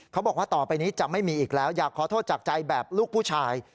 ต่อไปนี้จะไม่มีอีกแล้วอยากขอโทษจากใจแบบลูกผู้ชาย